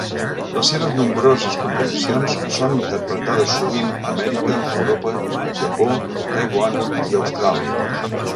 Les seves nombroses composicions són interpretades sovint a Amèrica, Europa, Japó, Taiwan i Austràlia.